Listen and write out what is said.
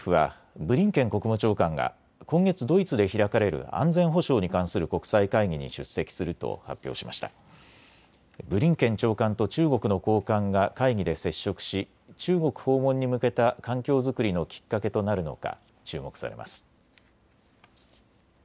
ブリンケン長官と中国の高官が会議で接触し中国訪問に向けた環境作りのきっかけとなるのか注目されます。